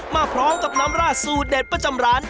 มาพร้อมกับน้ำราดสูตรเด็ดประจำร้าน